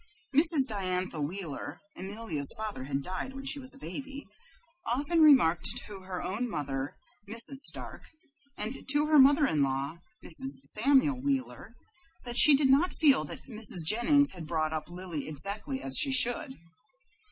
Mrs. Diantha Wheeler (Amelia's father had died when she was a baby) often remarked to her own mother, Mrs. Stark, and to her mother in law, Mrs. Samuel Wheeler, that she did not feel that Mrs. Jennings was bringing up Lily exactly as she should.